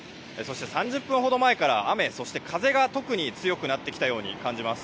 ３０分ほど前から雨、そして風が特に強くなってきたように感じます。